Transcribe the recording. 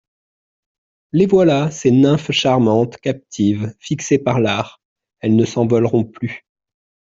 Les voilà, ces nymphes charmantes, captives, fixées par l'art ; elles ne s'envoleront plus.